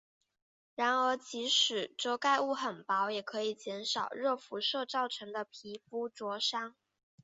然而即使遮盖物很薄也可以减少热辐射造成的皮肤灼伤。